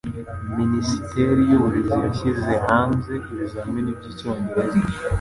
Minisiteri y'Uburezi yashyize hanze ibizamini by'Icyongereza